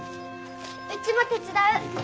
うちも手伝う。